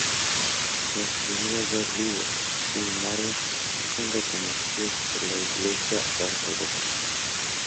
Los primeros dos libros, sin embargo, sí son reconocidos por la Iglesia ortodoxa.